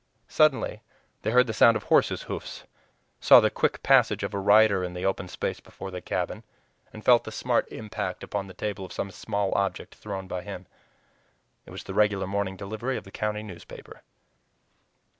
Suddenly they heard the sound of horses' hoofs, saw the quick passage of a rider in the open space before the cabin, and felt the smart impact upon the table of some small object thrown by him. It was the regular morning delivery of the county newspaper!